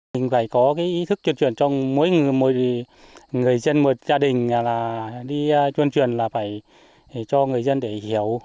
mình phải có cái ý thức truyền truyền trong mỗi người dân một gia đình là đi truyền truyền là phải cho người dân để hiểu